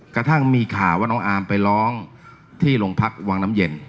กระทั่งมีข่าวว่าน้องอาร์มไปร้องที่โรงพักวังน้ำเย็น